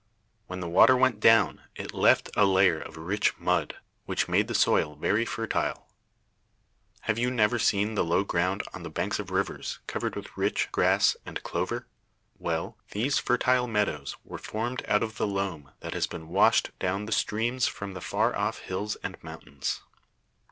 When the water went down, it left a layer of rich mud, which made the soil very fertile. [Illustration: "THESE FERTILE MEADOWS WERE FORMED OUT OF THE LOAM."] Have you never seen the low ground on the banks of rivers covered with rich grass and clover? Well, these fertile meadows were formed out of the loam that has been washed down the streams from the far off hills and mountains.